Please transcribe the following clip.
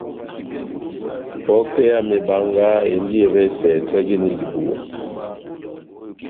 Pokɛ ya mebanga endi evɛsɛ tɔjeni dibuwa.